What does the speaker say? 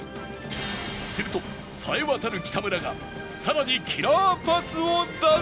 すると冴えわたる北村がさらにキラーパスを出す